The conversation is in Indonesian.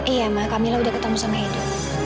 iya ma kamila sudah ketemu sama edo